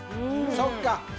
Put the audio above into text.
そっか。